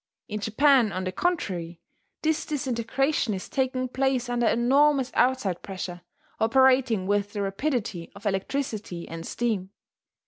In Japan, on the contrary, this disintegration is taking place under enormous outside pressure, operating with the rapidity of electricity and steam.